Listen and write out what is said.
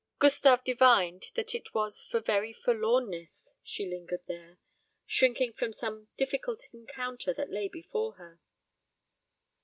Gustave divined that it was for very forlornness she lingered there, shrinking from some difficult encounter that lay before her.